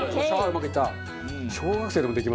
うまくいった。